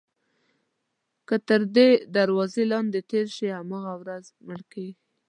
که تر دې دروازې لاندې تېر شي هماغه ورځ مړ کېږي.